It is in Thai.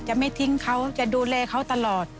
จะไม่ทิ้งเขาจะดูแลเขาตลอด